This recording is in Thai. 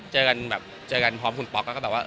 เจอกันแบบเจอกันพร้อมคุณป๊อกแล้วก็แบบว่า